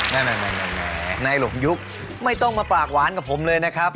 แม่นายหลมยุคไม่ต้องมาปากหวานกับผมเลยนะครับ